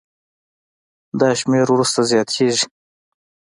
دا شمېر وروسته زیاتېږي.